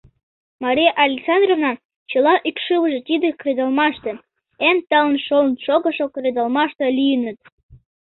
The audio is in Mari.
Мария Александровнан чыла икшывыже тиде кредалмаште, эн талын шолын шогышо кредалмаште лийыныт.